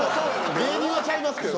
芸人はちゃいますけど。